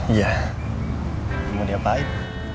iya mau diapain